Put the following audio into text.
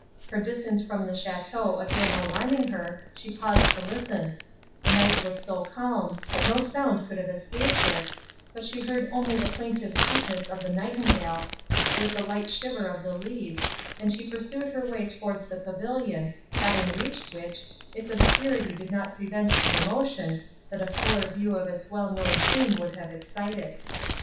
Her distance from the château again alarming her, she paused to listen; the night was so calm, that no sound could have escaped her, but she heard only the plaintive sweetness of the nightingale, with the light shiver of the leaves, and she pursued her way towards the pavilion, having reached which, its obscurity did not prevent the emotion, that a fuller view of its well known scene would have excited.